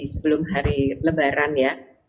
sebelum hari lebaran ya